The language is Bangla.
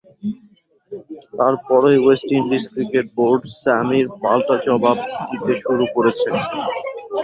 তারপরই ওয়েস্ট ইন্ডিজ ক্রিকেট বোর্ড স্যামির পাল্টা জবাব দিতে শুরু করেছে।